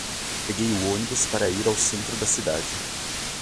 Peguei o ônibus para ir ao centro da cidade.